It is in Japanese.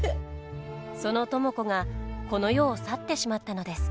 その知子がこの世を去ってしまったのです。